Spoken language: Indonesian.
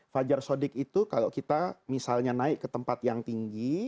fajar sodik itu kalau kita misalnya naik ke tempat yang tinggi